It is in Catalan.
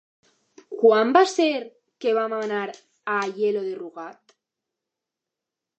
Quan va ser que vam anar a Aielo de Rugat?